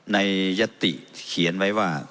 ในยศติเขียนไว้ว่า